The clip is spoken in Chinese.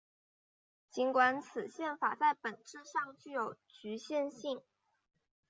尽管此宪法在本质上具有局限性。